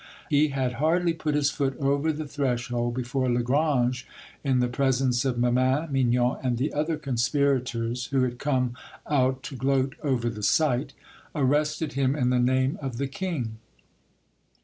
He had hardly put his foot over the threshold before Lagrange, in the presence of Memin, Mignon, and the other conspirators, who had come out to gloat over the sight, arrested him in the name of the king.